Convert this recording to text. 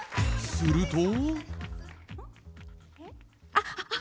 すると。